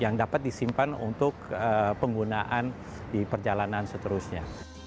yang dapat disimpan untuk penggunaan di perjalanan seterusnya